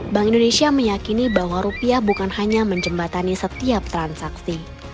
bank indonesia meyakini bahwa rupiah bukan hanya menjembatani setiap transaksi